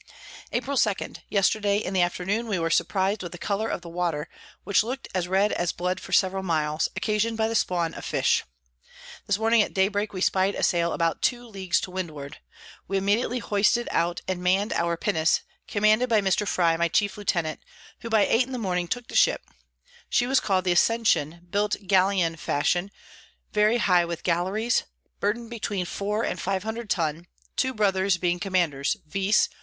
[Sidenote: From Lobos to the Northward.] April 2. Yesterday in the Afternoon we were surpriz'd with the Colour of the Water, which look'd as red as Blood for several miles, occasion'd by the Spawn of Fish. This Morning at Daybreak we spy'd a Sail about 2 Ls. to Windward: We immediately hoisted out and mann'd our Pinnace, commanded by Mr. Frye my chief Lieutenant, who by eight in the Morning took the Ship; she was call'd the Ascension, built Galeon fashion, very high with Galleries, Burden between 4 and 500 Tun, two Brothers being Commanders, _viz.